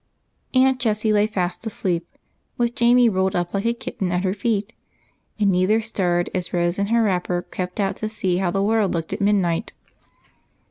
Aunt Jessie lay fast asleep, with Jamie rolled up like a kitten at her feet, and neither stirred as Rose in her wrapper crept out to see how the world looked at midnight.